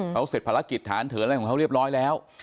เขาเสร็จภารกิจฐานเถินอะไรของเขาเรียบร้อยแล้ว